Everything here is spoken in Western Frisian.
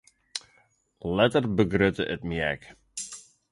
Letter begrutte it my ek.